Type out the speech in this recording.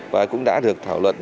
và cũng đã được thảo luận